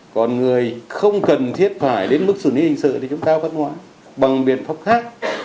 còn người không cần thiết phải đến mức xử lý hình sự thì chúng ta vẫn hoãn bằng biện pháp khác